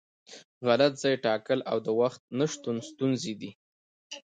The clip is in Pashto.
غلط ځای ټاکل او د وخت نشتون ستونزې دي.